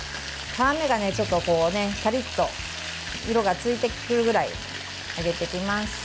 皮目がちょっとカリッと色がついてくるぐらい揚げていきます。